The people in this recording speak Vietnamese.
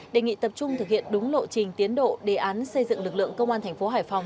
đề nghị tập trung thực hiện đúng lộ trình tiến độ đề án xây dựng lực lượng công an thành phố hải phòng